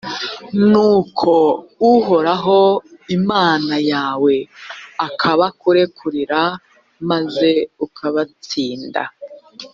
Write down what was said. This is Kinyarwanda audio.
nuko uhoraho imana yawe akabakurekurira maze ukabatsinda